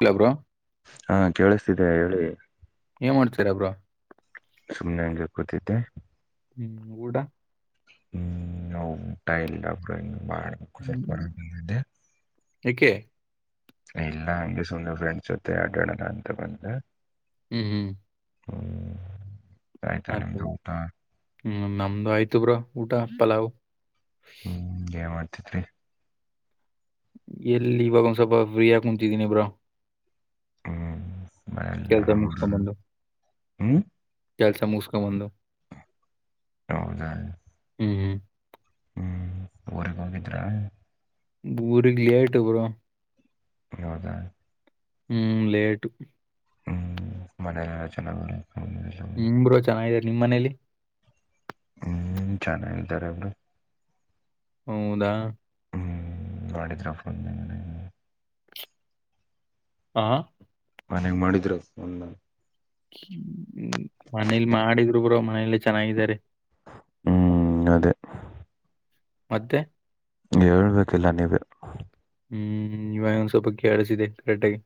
Hello bro. ಹಾಂ ಕೇಳಿಸ್ತಿದೆ ಹೇಳಿ. ಏನ್ ಮಾಡ್ತೀರಾ ಬ್ರೋ. ಸುಮ್ಮ್ನೆ ಅಂಗೇ ಕೂತಿದ್ದೆ. ಹ್ಮ್ ಊಡ. ಹ ಉಊಟ ಎಲ್ಲ ಬ್ರೋ ಇನ್ನ ಮಾಡಬೆ. ಸ ಹ್ಮ್. ಪ್ದ. [inaudible] ಏಕೆ ಇಲ್ಲ ಹಂಗೆ ಸುಮ್ನ ಫ್ರೆಂಡ್ಸ್ ಜೊತೆ ಅಡ್ಯಾಡೋಣ ಅಂತ ಬಂದೆ ಹ್ಮ್ ಹ್ಮ್ ಹ್ಮ್ ಆಯ್ತಾ ನಿಮ್ದು [unintelligible] ಊಟ ಹ್ಮ್ ನಮ್ದು ಆಯ್ತು ಬ್ರೋ ಊಟ ಪಲಾವ್ ಹ್ಮ ಏನ್ ಮಾಡ್ತಿದ್ರಿ ಎಲ್ಲಿ ಇವಾಗ ಒಂದ್ ಸ್ವಲ್ಪ ಫ್ರೀ ಆಗಿ ಕುಂತಿದೀನಿ ಬ್ರೋ ಹ್ಮ್ ಮನೆಯಲ್ಲಿ ಕೆಲ್ಸ ಆರಾಮ್ ಮುಗಸ್ಕೊ ಬಂದು ಹ್ಮ್ ಕೆಲ್ಸ ಮುಗಸ್ಕೊ ಬಂದು ಹೌದಾ ಹ್ಮ್ ಹ್ಮ್ ಹ್ಮ ಊರಿಗೆ ಹೋಗಿದ್ರಾ ಊರಿಗೆ ಲೇಟ್ ಬ್ರೋ ಹೌದಾ ಹ್ಮ್ ಲೇಟ್ ಮನೇಲಿ ಯಲ್ಲಾ ಚೆನ್ನಗವ್ರೆ [unintelligible] ಹ್ಮ್ ಗುರು ಚೆನ್ನಾಗ ಇದಾರೆ ನಿಮ್ಮ ಮನೇಲಿ ಹ್ಮ್ ಚೆನ್ನಾಗಿದ್ದಾರೆ ಬ್ರೋ ಹೌದಾ ಹ್ಮ್ ಗಾಡಿ [unintelligible] ಹಾ ಮನ್ಯಾಗ ಮಾಡಿದ್ರು ಒಂದ್ ಹ್ಮ್ ಮನೇಲಿ ಮಾಡಿದ್ರು ಗುರು ಮನೆಲ್ಲಿ ಚೆನ್ನಾಗಿದ್ದಾರೆ ಹ್ಮ್ ಅದೇ ಮತ್ತೆ ಹೇಳಬೇಕೆಲ್ಲ ನೀವೇ ಹ್ಮ್ ಇವಾಗ ಒಂದ್ ಸ್ವಲ್ಪ ಕೇಳಿಸ ಇದೆ ಕರೆಕ್ಟಾಗಿ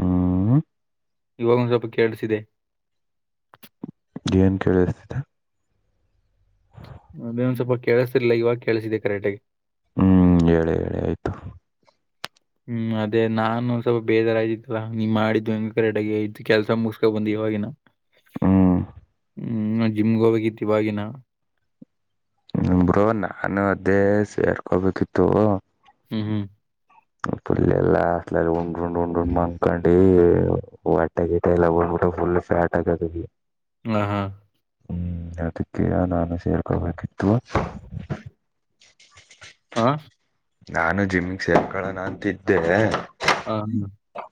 ಹ್ಮ್ ಇವಾಗೊಂದ ಸ್ವಲ್ಪ ಕೇಳಿಸಿದೆ ಏನ್ ಕೇಳಸ್ತಿದೆ ಅದೇ ಒಂದ್ ಸ್ವಲ್ಪ ಕೆಳಸ್ತಿರಲಿಲ್ಲ ಇವಾಗ ಕೇಳಸ್ತಿದೆ ಕರೆಕ್ಟಗೆ ಹ್ಮ್ ಹೇಳಿ ಹೇಳಿ ಆಯ್ತು ಹ್ಮ್ ಅದೇ ನಾನು ಸ್ವಲ್ಪ ಬೇಜಾರ ಆಗಿದ್ನೆಲ್ಲ ನಿನ್ ಮಾಡಿದ್ದು ಹೆಂಗ [unintelligible] ಕೆಲ್ಸ ಮುಗಸ್ಕೊ ಬಂದ್ ಇವಾಗಿನ ಹ್ಮ ಹ್ಮ್ ನಾ ಜಿಮ್ಗೆ ಹೋಗಬೇಕಿತ್ತು ಇವಗಿನ ಬ್ರೋ ನಾನು ಅದೇ ಸೇರ್ಕೋಬೇಕಿತ್ತು ಹ್ಮ ಹ್ ಪುಲ್ ಎಲ್ಲಾ ಹಸ್ಟ್ಲಾಗ ಉಂಡ ಉಂಡ್ ಉಂಡ್ ಮಲ್ಕೊಂಡವಿ ಒಟ್ಟೆಗೆ [unintelligible] ಹಾ ಹಾ ಹ್ಮ್ ಅದಕ್ಕೆ ನಾನು ಸೇರ್ಕೋಬೇಕಿತ್ತು ಹಾ ನಾನು ಜಿಮ್ಮಿಗೆ ಸೇರ್ಕೊಳ್ಳೋಣ ಅಂತಿದ್ದೆ ಹ ಹ್ಮ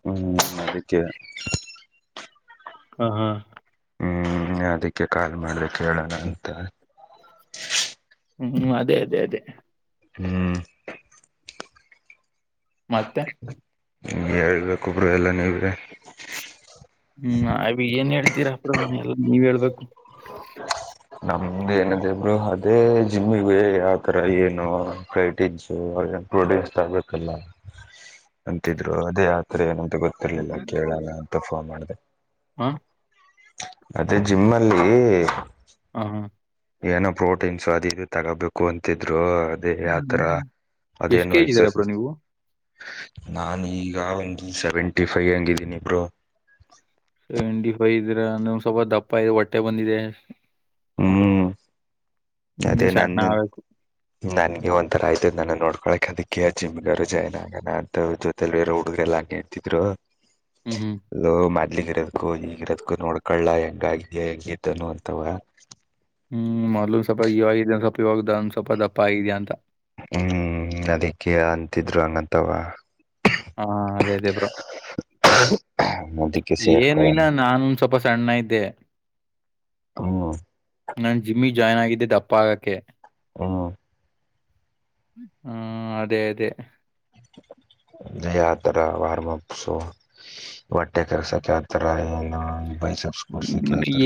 ಹ್ಮ್ ಅದಕ್ಕೆ ಹ ಹಾ ನೀ ಅದಕ್ಕೆ ಕಾಲ್ ಮಾಡ್ದೆ ಕೇಳೋಣ ಅಂತ ಹ್ಮ್ ಅದೇ ಅದೇ ಅದೇ ಹ್ಮ್ ಮತ್ತೆ ಹೇಳ್ಬೇಕುೊಬ್ಬರು ಎಲ್ಲ ನಿವ್ರೆ ಹ್ಮ್ ಅ ಏನ್ ಹೇಳ್ತೀರಾ ಅಬ್ರೋ ಎಲ್ಲಾ ನೀವ್ೇಳ್ಬೇಕು ಅಲ ನಿಮ್ದೇ ಏನಿದೆ ಇಬ್ರು ಅದೇ ಜಿಮ್ಮಿಗೆ ಆತರ ಏನೋ ಕೈಟಿಸು ಪ್ರೊಡ್ಯೂಸ್ ಆಗಬೇ ಲ್ಲ ಅಂತಿದ್ರು ಅದೇ ಆತರ ಏನಂತ ಗೊತ್ತಿರ್ಲಿಲ್ಲ ಕೇಳಣ ಅಂತ ಫೋನ್ ಮಾಡಿದೆ ಹಾ ಅದೇ ಜಿಮ್ಮ್ ಅಲ್ಲಿ ಹಾ ಏನೋ ಪ್ರೋಟೀನ್ಸು ಅದು ಇದು ತಗೋಬೇಕು ಅಂತಿದ್ರು ಅದೇ ಆಥರ ಹ್ಮ್ ಎಷ್ಟ್ ಅದೇನು ಕೆಜಿ ವಯಸ ಇದ್ದೀರಾ ಬ್ರೋ [unintelligible] ನೀವು ನಾನು ಇಗ ಒಂದು ಸೆವೆಂಟಿ ಫೈ್ ಹಂಗಿದ್ದೀನಿ ಬ್ರೋ ಹೆಂಡ್ತಿ ಬೈದ್ರೆ ನಮ್ಗೆ ಸ್ವಲ್ಪ ದಪ್ಪ ಇ ಹೊಟ್ಟೆ ಬಂದಿದೆ ಕ್ಯಾತೆ ಹ್ಮ್ ಸಣ್ಣ ನಂದಿನ್ ಆಗ್ಬೇಕು ನನ್ಗೆ ಒಂಥರ ಆಯ್ತು ನಾನ ನೋಡ್ಕೊಕ್ ಅದಕ್ಕೆ ಜಿಮ್ಗವರು ಜಾಯ್ನ್ ಆಗೋಣ ಅಂತೊ ಲ್ವೇರ ಹುಡುಗರ್ ಎಲ್ಲಾ ಕೇಳ್ತಿದ್ರು ಹ್ಮ್ ಅೋ ಮದ್ಲಿ ಇರೋಕ್ಕು ಇಗಿರೋದಕು ನೋಡ್ಕಲ್ಲಾ ಹೆಂಗ ಆಗಿದಿಯ ಹೆಂಗತನು ಅಂತವ ಹ್ಮ್ ಮೊದ್ಲು್ ಸ್ವಲ್ಪ ಇವಾಗ ಇದ ಸ್ವಲ್ಪವಾಗ ಒಂದ್ ಸ್ವಲ್ಪ ದಪ್ಪ ಆಗಿದಯ ಅಂತ ಹ್ಮ್ ಅದಕ್ಕೆ ಅಂತಿದ್ರು ಹಂಗಂತವ ಹಾ ಅದೇ ಅದೇ ಬ್ರೋ ಅದಕ್ಕೆ ಏನು ಸೇರ್ಕೊಳ್ಳೋಣ ಇಲ್ಲ ನಾನುಂದ ಸ್ವಲ್ಪ ಸಣ್ಣ ಇದ್ದೆ ಹ್ಮ್ ನಾನ್ ಜಿಮ್ಮಿ ಜಾಯ್ನ್ ಆಗಿದ್ದೆ ದಪ್ಪ ಆಗಕ್ಕೆ ಹಾಂ ಹ್ಮ ಅದೇ ಅದೇ ಅದೇ ಅತರ ವಾರ [unintelligible] ಮಾಡಸು ಹೊಟ್ಟೆ ಕೆರ್ಸಕ್ಕೆ ಆತರ ಏನು ಬಯ್ಸ್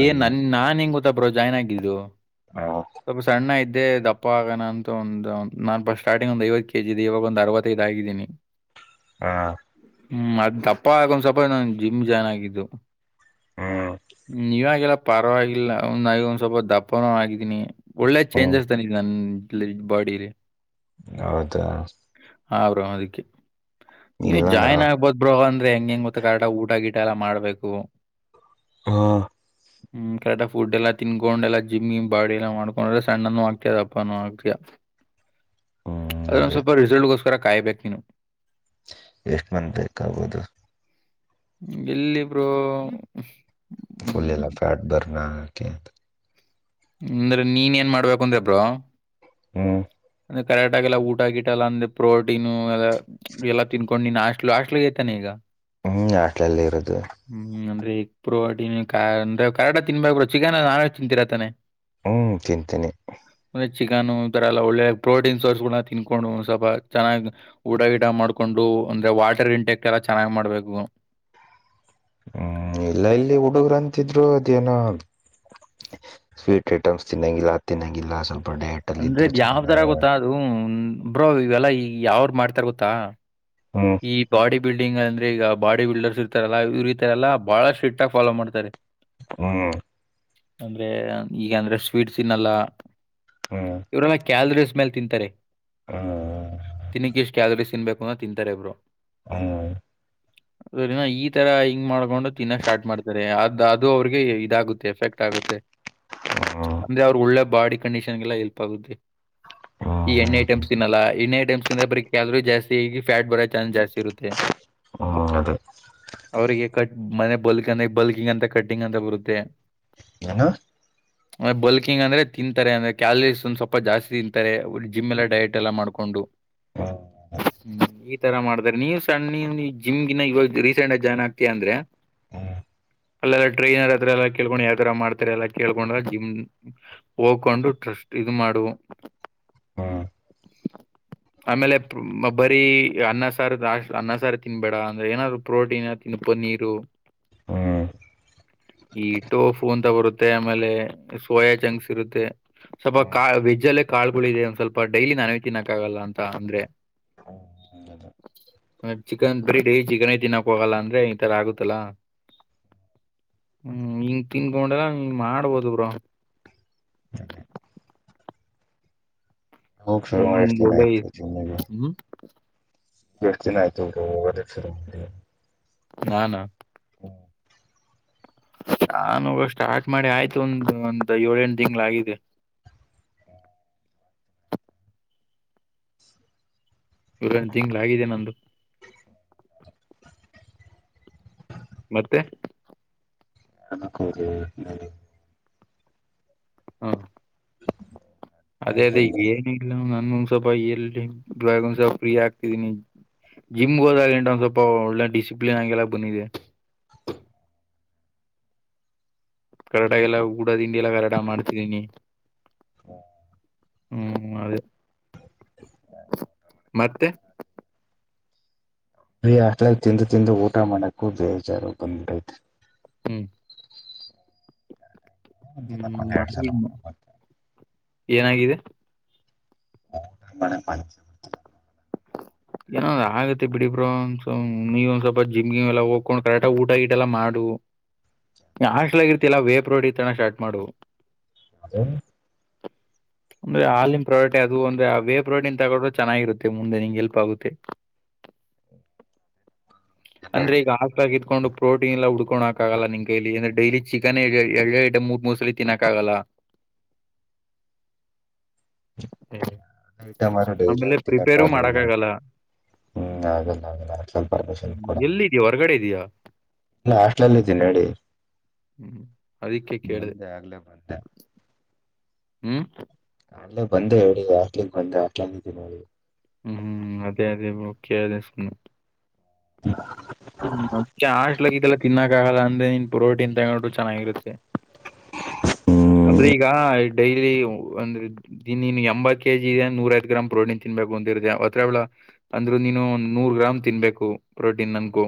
ಏ ನನ್ ನಾನ್ ಹೆಂಗ ಗೊತ್ತಬ್ರೋ ಜಾಯ್ನ್ ಆಗಿದ್ದು ಹಾ ಸ್ವಲ್ಪ ಸಣ್ಣ ಇದ್ದೆ ದಪ್ಪ ಆಗಣ ಅಂತೂ ಒಂದು ನಾನುಪ ಸ್ಟಾರ್ಟಿಂಗ್ ಒಂದು ಐವತ್ತು ಕೆ ಜಿ ಇದೆ ಇವಾಗ ಒಂದು ಅರವತ್ತೈದು ಆಗಿದ್ದೀನಿ ಹಾ ಹ್ಮ್ ಅದ್ ತಪ್ಪ ಆಗೊಂದ್ ಸ್ವಪ ಇ ಜಿಮ್ ಜಾಯ್ನ್ ಆಗಿದ್ದು ಹ್ಮ್ ್ ನೀವಾಗೆಲ್ಲ ಪರವಾಗಿಲ್ಲ ಒ ನ ಒಂದ್ ಸ್ವಲ್ಪ ದಪ್ಪನ ಆಗಿದ್ದೀನಿ ಒಳ್ಳೆ ಹ್ಮ್ ಚೇಂಜಸ್ ನನ್ ಬಾಡಿಲಿ [unintelligible] ಹೌದ ಹರು ಅದಕ್ಕೆ ನೀವು ಇಲ್ಲನ ಜಾಯ್ನ್ ಆಗ್ಬದು ಬಬ್್ರ ಅಂದ್ರ ಹೆಂಗ್ ಹೆಂಗ ಗೊತ್ತ ಕರಟಾಗಿ ಊಟ ಗಿಟ ಎಲ್ಲ ಮಾಡ್ಬೇಕು ಹಾ ಹ್ಮ್ ಕರೆಕ್ ಫುಡ್ ಎಲ್ಲಾ ತಿನ್ಕೊಂಡ್ ಎಲ್ಲ ಜಿಮ್ಮಿ ಬಾಡಿ ಎಲ್ಲ ಮಾಡಕೊಂಡ್ರೆ ಸಣ್ಣನು ಆಕ್ತಿಯ ದಪ್ಪ ಆಗ್ತೀಯಾ [inaudible] ಅದೊಂದ್ ಅದೇ ಸ್ವಲ್ಪ ರಿಸಲ್ಟ್ಗೋಸ್ಕರ ಕಾಯ್ಬೇಕ ನೀನು ಎಷ್ಟು ಮಂತ್ ಬೇಕಾಗೋದು ಎಲ್ಲಿ ಬ್ರು ಫುಲ್ ಎಲ್ಲ ಫ್ಯಾಟ್ ಬರ್ನ್ ಆಗಕೆ ಅಂದ್ರೆ ನೀನ್ ಏನ್ ಮಾಡ್ಬೇಕು ಅಂದೆಬ್ರೋ. [inaudible] ಅಂದ್ರೆ ಕರೆಕ್ಟಾಗಿಲ್ಲ ಊಟಾ ಗೀಟಾ ಅಲ್ಲಾ ಅಂದ್ರೆ ಪ್ರೋಟೀನು ಅದ. ಎಲ್ಲ ತಿನ್ಕೊಂಡ್ ನೀನ್ ಹಾಸ್ಟಲ ಹಾಸ್ಟಲ ಗೇತೀನಿ ಈಗ. ಹ್ಮ್ ಹಾಸ್ಟೆಲಲ್ಲಿ ಇರೋದು. ಹ್ಮ್ ಅಂದ್ರೆ ಈಗ ಪ್ರೋಟಿನ ಕಾ ಕಂದ ಕಾರಟಗಿ ತಿನ್ಬೇಕುತಾನೆ ಚಿಕನ್ ನಾಳೇ ತಿಂತೀರಾತಾನೆ. ಹ್ಮ ತಿಂತೀನಿ. ಮನೆ ಚಿಕನ್ ಈ ತರ ಎಲ್ಲಾ ಒಳ್ಳೆ ಪ್ರೋಟೀನ್ ಸೋರ್ಸ್ ಗಳನ್ನ ತ ತಿನ್ಕೊಂಡು ಸ್ವಲ್ಪ ಚೆನ್ನ್ಗ್. ಊಟ ಗೀಟ ಮಾಡ್ಕೊಂಡು ಅಂದ್ರೆ ವಾಟರ್ ಇಂಟೆಕ್ಟ್ ಎಲ್ಲ ಚೆನ್ನಾಗ್ ಮಾಡ್ಬೇಕು. ಹ್ಮ್ ಇಲ್ಲ ಇಲ್ಲಿ ಹುಡುಗುರಂತ್ ಇದ್ರೂ ಅದು ಏನು. ಸ್ವೀಟ್ ಐಟಮ್ಸ್ ತಿನ್ನಂಗಿಲ್ಲ ತಿನ್ನಗಿಲ್ಲ ಸ್ವಲ್ಪ ಡಯಟ್. ಅಲ್ಲಿ ಅಂದ್ರೆ ಇದ್ರೆ ಅದ್ ಯಾವ್ ತರ ಚೆನ್ನಾಗ ಗೊತ್ತಾ ಅದು ಬ್ರೋ ಇವೆಲ್ಲಾ ಈ ಯಾವ್ರ ಮಾಡ್ತಾರ ಗೊತ್ತಾ. [inaudible] ಈ ಬಾಡಿ ಬಿಲ್ಡಿಂಗ್ ಅಂದ್ರೆ ಈಗ ಬಾಡಿ ಬಿಲ್ಡರ್ಸ್ ಇರ್ತಾರಲ್ಲ ಇವ್ರು ಈತರ ಎಲ್ಲ ಬಾಳ ಸ್ತ್ರೀಟ್ಟಗೀ ಫಾಲೋ ಮಾಡ್ತಾರೆ. [inaudible] ಅಂದ್ರೇ ಈಗ ಅಂದ್ರೆ ಸ್ವೀಟ್ಸ್ ತಿನ್ನಲ್ಲ. [inaudible] ಇವ್ರೆಲ್ಲ ಕೇಲರಿಸ್ ಮೇಲೆ ತಿಂತಾರೆ. [inaudible] ತಿನಿಕ್ ಎಷ್ಟ್ ಕ್ಯಾಲರಿಸ್ ತಿನ್ಬೇಕು ಅ ತಿಂತಾರೆ ಬ್ರೋ. [inaudible] ಈ ತರ ಹಿಂಗ್ ಮಾಡ್ಕೊಂಡು ತಿನ್ನೋ ಸ್ಟಾರ್ಟ್ ಮಾಡ್ತಾರೆ ಅದು ಅದು ಅವ್ರಿಗೆ ಇದಾಗುತ್ತೆ ಎಫೆಕ್ಟ್ ಆಗುತ್ತೇ. ಹ್ಮ್ ಅಂದ್ರೆ ಅವ್ರರು ಒಳ್ಳೆ ಬಾಡಿ ಕಂಡೀಷನ್ಗೆಲ್ಲ ಹೆಲ್ಪ್ ಆಗುತ್ತೇ. ಈ ಹ್ಮ್ ಎಣ್ಣೆ ಹ್ಮ್ ಐಟೆಮ್ಸ್ ತಿನ್ನಲ್ಲ ಎಣ್ಣೆ ಐಟಮ್ಸ್ ತಿಂದ್ರೆ ಬರೀ ಕ್ಯಾಲೋರೀಸ್ ಜಾಸ್ತಿ. ಫ್ಯಾಟ್ ಬರೋ ಚಾನ್ಸಸ್ ಜಾಸ್ತಿ ಇರುತ್ತೆ. ಹ್ಮ್ ಅದೇ. ಅವರಿಗೆ ಕಟ್ ಮನೆ ಬಲ್ಕ್ ಅಂದ ಬಲ್ಕಿಂಗ್ ಅಂತ ಕಟ್ಟಿಂಗ್ ಅಂತ ಬರುತ್ತೆ. ಏನು. ಆ ಬಲ್ಕಿಂಗ್ ಅಂದ್ರೆ ತಿಂತಾರೆ ಅಂದ್ರೆ ಕ್ಯಾಲರೀಸ್ ಒಂದು ಸ್ವಲ್ಪ ಜಾಸ್ತಿ ತಿಂತಾರೆ ಓಡ್ ಜಿಮ್ ಎಲ್ಲ ಡಯಟ್ ಎಲ್ ಮಾಡ್ಕೊಂಡು. [inaudible] ಹ್ಮ್ ಈ ತರ ಮಾಡಿದ್ರ್ ನೀವ್ ಸಣ್ಣ ನೀ ಜಿಮ್ಗೇ ಇವಾಗ ರೀಸೆಂಟ್ ಆಗಿ ಜಾಯ್ನ್ ಆಗ್ತಯ ಅಂದ್ರೆ. ಅಲ್ಲೆಲ್ಲ ಟ್ರೈನರ್ ಹತ್ರ ಎಲ್ಲ ಕೇಳ್ಕೊಂಡು ಯಾವ್ತರ ಮಾಡ್ತಾರೆ ಎಲ್ಲ ಕೇಳ್ಕೊಂಡ್ರ ಜಿಮ್. ಹ್ಕೊಂಡು ಟ್ರಸ್ಟ್ ಇದು ಮಾಡು. [inaudible] ಆಮೇಲೆ. ಬರೀ ಅನ್ನ ಸಾರು ಲಾಸ್ಟ ಅನ್ನ ಸಾರ ತಿನ್ಬೇಡ ಅಂದ್ರೆ ಏನಾದ್ರು ಪ್ರೋಟೀನ್ ತಿನ್ನು ಕೋನ್ ಪನ್ನೀರೂ. ಈ ಟೋಫು ಅಂತ ಬರುತ್. ಮತ್ತೆ ಆಮೇಲೆ ಸೋಯಾ ಜಂಕ್ಸ್ ಇರುತ್ತೆ. ಸ್ವಲ್ಪ ಕಾಲ್ ಬೀಜಲ್ಲೇ ಕಾಳಗಳಗಳು ಇದೆ ಒಂದ್ ಸ್ವಲ್ಪ ಡೈಲಿ ನಾವೇ ತಿನ್ನಕ್ ಆಗಲ್ಲ ಅಂತ ಅಂದ್ರೆ. [inaudible] ಅ ಚಿಕನ್ ಬ್ರಿಡೀ ಚಿಕನೇ ತಿನ್ನಕ್ ಹೋಗಲ್ಲ ಅಂದ್ರೆ ಈ ತರ ಆಗುತ್ತಲ್ಲಾ. ಹ್ಮ್ ಹಿಂಗ ತಿನ್ಕೊಂಡಲ್ಲ ಹಂಗ್ ಮಾಡ್ಬೋದು ಬ್ರೋ. [inaudible] ಹೋಗ್ ಶುರು ಮಾಡಿ ಹ್ಮ್ ಎಷ್ಟ್ ದಿನ ಒಳ್ಳೆ ಆಯ್ತು ಜಿಮ್ಗೆ. [inaudible] ಎಷ್ಟ್ ದಿನ ಆಯ್ತು ಹೋಗದೆ ಜಿಮ್ಗೆ ನಾನಾ ಹ್ಮ ನಾನ ಹೋಗಕ್ಕ ಸ್ಟಾರ್ಟ್ ಮಾಡಿ ಆಯ್ತು ಒಂದ ಒಂದ್ ಏಳ ಎಂಟು ತಿಂಗಳ್ ಆಗಿದೆ ಏಳು ಎಂಟ್ ತಿಂಗಳಾಗಿದೆ ನಂದು ಮತ್ತೆ ನಾಕ್ಕೂವರೇ ಹೇಳಿ ಹಾ ಅದೇ ಅದೇ ಈಗ ಏನ ಇಲ್ಲ ನಾನೊಂದ್ ಸ್ವಪ ಎಲ್ ಬ್ಳಾಗ ಒಂದಸಪ್ಪ ಫ್ರೀ ಆಗ್ತಿದೀನಿ ಜಿಮ್ಗ ಹೋದಾಗಂಟ ಒಂದ್ ಸ್ವಲ್ಪ ಒಳ್ಳೆ ಡಿಸಿಪ್ಲಿನ್ ಆಗಿಲ್ಲಕ ಬಂದಿದಿಯ ಕರೆಕ್ಟ್ ಆಗಿ ಎಲ್ಲ ಊಟ ತಿಂಡಿಯೆಲ್ಲ ಕರೆಕ್ಟ್ ಆಗಿ ಮಾಡ್ತಿದ್ದೀನಿ ಹು ಹ್ಮ್ ಅದೇ ಮತ್ತೆ ಈ ಆಟಾ ತಿಂದು ತಿಂದು ಊಟಾ ಮಾಡಕು ಬೇಜಾರ ಬಂದ್ ಬಿಟ್ಟತೆ ಹ್ಮ್ ಒಂದ್ ದಿನಕ್ ಒಂದ್ ಹ್ಮ್ ಎರಡ್ ಸಲ ಊಟ ಮಾಡ್ [unintelligible] ಏನಾಗಿದೆ ಹೌದಾ ಮನೆ ಪಂಚದು ಏನೊಂದ್ ಆಗತ್ತೆ ಬಿಡಿ ಬ್ರೊ ಸುಮ್ನೆ ನೀವ ಒಂದ್ ಸ್ವಲ್ಪ ಜಿಮಗಿಮ್ ಎಲ್ಲ ಹಾಕೊಂಡ ಕರೆಕ್ಟ ಊಟ ಗೀಟ ಎಲ್ಲ ಮಾಡು [inaudible] ನೀ ಹಾಸ್ಟಲಾಗ್ ಇರ್ತೀಯಲ್ಲ ವೇಪ್ ರೋಡಿ ತಿನಾಕ ಸ್ಟಾರ್ಟ್ ಮಾಡು ಯಾವದು ಅಂದ್ರೆ ಹಾಲಿನ ಪ್ರೊಡಟೆ ಅದು ಒಂದೇ ಆ ವೆ ಪ್ರೋಟೆನ್ ತಗೊಂಡ್ರೆ ಚೆನ್ನಾಗಿರುತ್ತೆ ಮುಂದೆ ನನಿಂಗೆ ಹೆಲ್ಪ್ ಆಗುತ್ತೆ ಅಂದ್ರೆ ಈಗ ಹಾಸ್ಟಲಾಗಿದು ಇದ್ಕೊಂಡು ಪ್ರೋಟೀನ್ ಎಲ್ಲ ಉಡ್ಕೊನ್ಕಾಗಲ್ಲ ನಿನ ಕೈಲಿ ಅಂದ್ರ ಡೈಲಿ ಚಿಕನ್ ಎ ಎರಡೆರಡ ಐಟಮ್ ಮೂರ್ ಮೂರಸಲಿ ತಿನ್ನಕ್ಕಾಗಲ್ಲ [inaudible] ಆಮೇಲೆ ಪ್ರಿಪೇರು ಮಾಡಕ್ ಆಗಲ್ಲ [unintelligible] ಹ್ಮ ಎಲ್ಲ ಇದ್ಯಾ ಹೊರಗಡೆ ಇದಿಯಾ ಇಲ್ಲೇ ಹಾಸ್ಟ್ಳಲ್ಲ ಇದೀನಿ ಹೇಳಿ ಹ್ಮ್ ಅದಿಕ್ಕೆ ಕೇಳದೆ ಮತ್ತೆ [unintelligible] ಅಲ್ಲೇ ಬಂದೆ ಹೇಳಿಗ ಹಾಸ್ಟೆಲಗ ಬಂದೆ ಹಾಸ್ಟೇಲ್ಲಿ ಇದೀನಿ ಹೇಳಿ ಹ್ಮ್ ಹ್ಮ್ ಅದೇ ಅದೇ ಬ್ರೋ ಕೇಳ್ದೆ ಸುಮ್ನೆ [unintelligible] ಮತ್ತೆ ಹಾಸ್ಟೆಲಲ್ಲಿ ಇದೆಲ್ಲ ತಿನ್ನಕ್ಕ ಆಗಲ್ಲ ಅಂದೆ ಪ್ರೊಟೀನ್ ತಗೊಂಡ್ರು ಚೆನ್ನಾಗಿರತ್ತೆ ಅಂದ್ರೆ ಹ್ಮ್ ಈಗ ಡೈಲಿ ಒಂದ ದಿನಿನ್ ಎಂಬತ್ ಕೆಜಿ ನೂರೈವತ್ತ ಗ್ರಾಮ್ ಪ್ರೋಟಿನ್ ತಿನ್ಬೇಕು ಅಂತಿರುತ್ತೆ ಅವತ್ರಲ್ಲ ಅಂದ್ರು ನೀನು ಒಂದ ನೂರ್ ಗ್ರಾಮ್ ತಿನ್ಬೇಕು ಪ್ರೋಟೀನ್ ಅನ್ಕೋ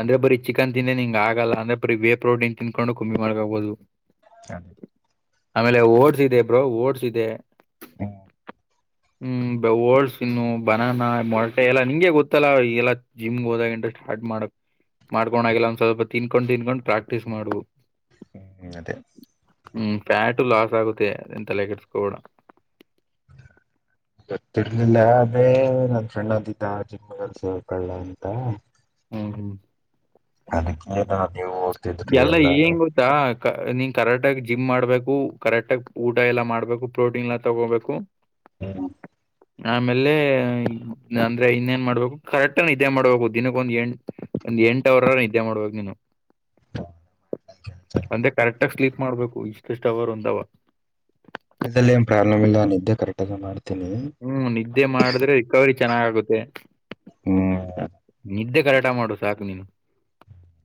ಅಂದ್ರೆ ಬರೀ ಚಿಕನ್ ತಿಂದೇನೆ ಹಿಂಗ ಆಗಲ್ಲ ಅಂದ್ರೆ ಬರಿ ಬೇ ಪ್ರೋಟನ್ ತಿನ್ಕೊಂಡು ಕಮ್ಮಿ ಮಾಡಕೊಬಹುದು ಆಮೇಲೆ ಓಡ್ಸ್ ಇದೆ ಬ್ರೋ ಓಡ್ಸ್ ಇದೆ ಹ್ಮ ಹ್ಮ ಒಟ್ಸ್ ತಿನ್ನು ಬನಾನ ಮೊಟೆ ಎಲ್ಲಾ ನಿಂಗೆ ಗೊತ್ತಲ್ಲಾ ಎಲ್ಲಾ ಜಿಮ್ಗ ಹೋದಾಗಂತ ಸ್ಟಾರ್ಟ ಮಾಡಕ್ ಮಾಡಿಕೊಂಡಾಗೆಲ್ಲ ಒಂದ್ ಸ್ವಲ್ಪ ತಿನ್ಕೊಂಡ್ ತಿನ್ಕೊಂಡ್ ಪ್ರಾಕ್ಟೀಸ್ ಮಾಡು ಹ ಅತ್ತ. ಹ್ಮ್ ಪ್ಯಾಟು ಲಾಸ್ ಆಗುತ್ತೆ ತಲೆ ಕೆಡಿಸ್ಕೊಬೇಡ. ಗೊತ್ತಿರ್ಲಿಲ್ಲ ಅದೇ ನನ್ ಫ್ರೆಂಡ್ ಅಿದ್ದ ಜಿಮ್ ಸೇರ್ಕಳ್ಳ ಅಂತ. ಹ್ಮ್ ಹ್ಮ್. [unintelligible] ಎಲ್ಲ ಏನ್ ಗೊ. ನೀನ್ ಕರೆಕ್ಟ್ ಆಗ ಜಿಮ್ ಮಾಡ್ಬೇಕು ಕರೆಕ್ಟ್ ಆಗ ಊಟ ಎಲ್ಲಾ ಮಾಡ್ಬೇಕು ಪ್ರೋಟೀನ್ ಎಲ್ಲ ತಗೋಬೇಕು. ಹಹ್ಮ್ಮ್. [unintelligible] ಹ್ಮ್. ಆಮೇಲೆ ಅಂದ್ರೆ ಇನ್ನೇನ್ ಮಾಡ್ಬೇಕು ಕರೆಕ್ಟ ಇದೇ ಮಾಡ್ಬೇಕು ದಿನಕ್ಕೊಂದ್ ಎಂಟು. ಒಂದ್ ಎಂಟ ಅವರ ಅನ ನಿದ್ದೆ ಮಾಡುವಾಗ ನೀನು. ಹ್ಮ್ಮ್. [unintelligible] ಅಂದೆ ಕರೆಕ್ಟ್ಗ ಸ್ಲೀಪ್ ಮಾಡ್ಬೇಕು ಇಷ್ಟಷ್ಟು ಅವರ್ ಒಂದವ. ಇದಲ್ಲಿ ಏನ್ ಪ್ರಾಬ್ಲಮ್ ಇಲ್ಲ ಇದ್ದ ಕರೆಕ್ಟ್ ಆಗ ಮಾಡ್ತನಿ. ಹ್ಮ್ ನಿದ್ದೆ ಮಾಡಿದ್ರೆ ರಿಕವರಿ ಚೆನ್ನಾಗಾಗುತ್ತೆ. ಹ್ಮ್. ನಿದ್ದೆ ಕರೆಕ್ಟಾಗಿ ಮಾಡು ಸಾಕು ನೀನು.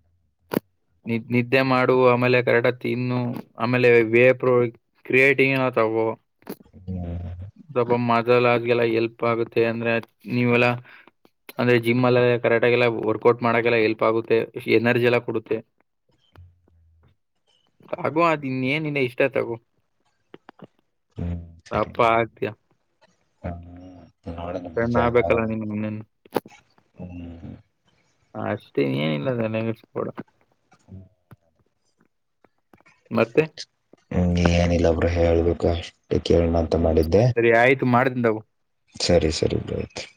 [unintelligible] ನಿ ನಿದ್ದೆ ಮಾಡು ಆಮೇಲೆ ಕರೆಕ್ಟಾಗ್ ತಿನ್ನು ಆಮೇಲೆ ವೇಪ. [unintelligible] ಕ್ರಿಯೇಟಿಂಗನ ತಗೊ. ಹ್ಮ್ ಅದಲ್ಲ ಎಲ್ಪ್ ಆಗುತ್ತೆ ಅಂದ್ರೆ ನೀವೆಲ್ಲ ಅ. [unintelligible] ಜಿಮ್ ಎಲ್ಲ ಕರೆಕ್ಟಾಗಿ ಎಲ್ಲ ವರ್ಕೌಟ್ ಮಾಡಕ್ಕೆೆಲ್ಲ ಹೆಲ್ಪ್ ಆಗುತ್ತೆ ಎನರ್ಜಿ ಎಲ್ಲ ಕೊಡುತ್ತೆ. ಆಗು ಅದೇನಿನ್ನ ಇಷ್ಟ ತಗೋ. ಹ್ಮ್ ಅಪ್ಪ ಸರಿ ಆಗ್ತಿಯಾ. ಹ್ಮ್ ಪೆಣ್ಣ ಆಗ್ಬೇಕಲ್ಲ ನಿನ್. [unintelligible] ಹ್ಮ. [unintelligible] ಅಷ್ಟೇ ಏನಿಲ್ಲ ತಲೆಗೆಡಿಸ್ಕೊಬೇಡ. ಹ್ಮ್. ಮತ್ತೆ. ಹ್ಮ್ ಏನಿಲ್ಲ ಬ್ರೋ ಹೇಳ್ಬೇಕ. ಕೆಳನ. ಹ್ಮ ಸರಿ ಆಯ್ತು ಮಾಡ್ತಿನಿ ತಗೋ. ಸರಿ ಸರಿ ಬಹತ್. [unintelligible]